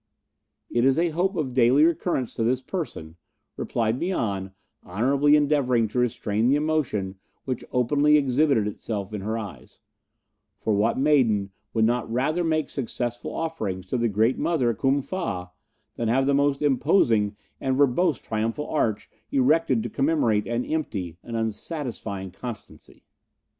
"It is a hope of daily recurrence to this person," replied Mian, honourably endeavouring to restrain the emotion which openly exhibited itself in her eyes; "for what maiden would not rather make successful offerings to the Great Mother Kum Fa than have the most imposing and verbose Triumphal Arch erected to commemorate an empty and unsatisfying constancy?"